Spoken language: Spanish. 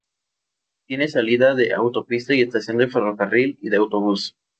Tiene salida de autopista y estación de ferrocarril y de autobús.